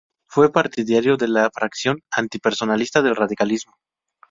Fue partidario de la fracción antipersonalista del radicalismo.